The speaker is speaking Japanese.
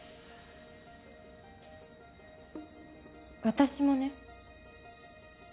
私もね。